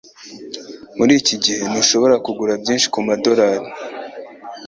Muri iki gihe, ntushobora kugura byinshi kumadorari.